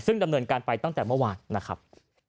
ซึ่งดำเนินการไปตั้งแต่เมื่อวานนะครับ